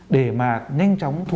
để mà nhanh chóng thu thập